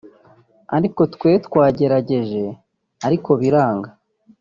ariko twe twagerageje ariko biranga